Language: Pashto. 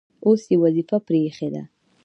اوس یې وظیفه پرې ایښې ده.